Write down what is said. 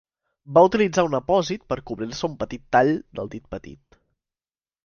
Va utilitzar un apòsit per cobrir-se un petit tall del dit petit.